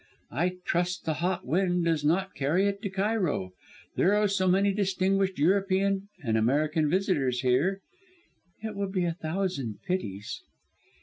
I trust the hot wind does not carry it to Cairo; there are so many distinguished European and American visitors here. It would be a thousand pities!"